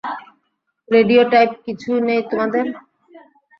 Radio type কিছু নেই তোমাদের?